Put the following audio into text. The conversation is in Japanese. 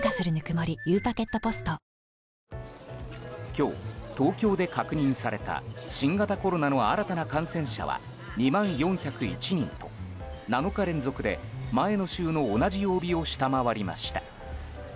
今日、東京で確認された新型コロナの新たな感染者は２万４０１人と７日連続で前の週の同じ曜日を下回りました。